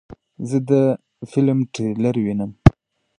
زه د فلم ټریلر وینم.